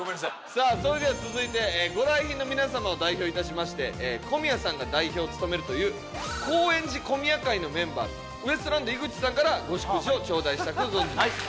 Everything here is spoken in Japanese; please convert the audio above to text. さあそれでは続いてご来賓の皆様を代表致しまして小宮さんが代表を務めるという高円寺小宮会のメンバーウエストランド井口さんからご祝辞を頂戴したく存じます。